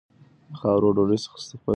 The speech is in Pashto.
د خاورو او دوړو څخه خپل تنفسي سیستم وساتئ.